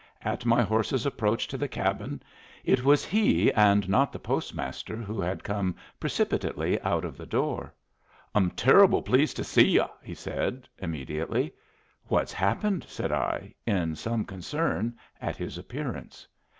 At my horse's approach to the cabin, it was he and not the postmaster who had come precipitately out of the door. "I'm turruble pleased to see yu'," he had said, immediately. "What's happened?" said I, in some concern at his appearance.